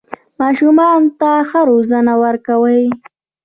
ماشومانو ته ښه روزنه ورکړئ